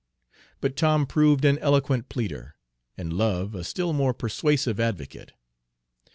But Tom proved an eloquent pleader, and love a still more persuasive advocate.